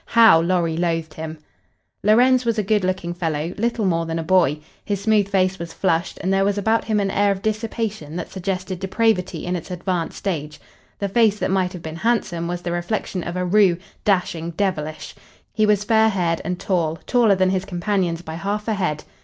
How Lorry loathed him! Lorenz was a good looking young fellow, little more than a boy. His smooth face was flushed, and there was about him an air of dissipation that suggested depravity in its advanced stage. The face that might have been handsome was the reflection of a roue, dashing, devilish. He was fair haired and tall, taller than his companions by half a head.